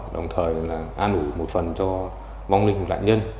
đồng thời là an ủi một phần cho mong linh lãnh nhân